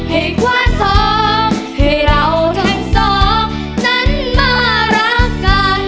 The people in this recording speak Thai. ให้คว้าสองให้เราทั้งสองนั้นมารักกัน